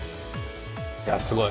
いやすごい。